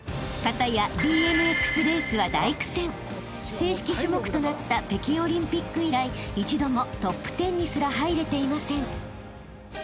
［正式種目となった北京オリンピック以来一度もトップ１０にすら入れていません］